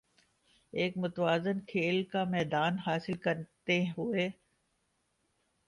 ایک متوازن کھیل کا میدان حاصل کرتے ہوے